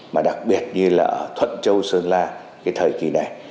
mà đặc biệt như là ở thuận châu sơn la cái thời kỳ này